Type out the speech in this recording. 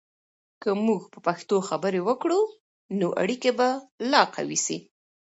که موږ په پښتو خبرې وکړو، نو اړیکې به لا قوي سي.